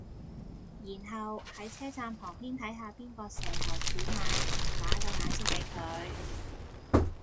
然後係車站旁邊睇下邊個蛇頭鼠眼，打個眼色比佢